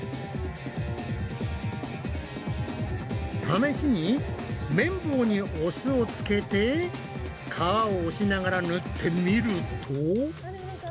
試しに綿棒にお酢をつけて皮を押しながら塗ってみると。